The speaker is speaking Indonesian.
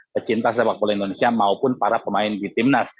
pecinta sepak bola indonesia maupun para pemain di timnas